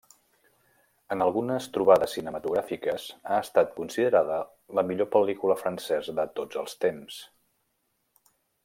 En algunes trobades cinematogràfiques ha estat considerada la millor pel·lícula francesa de tots els temps.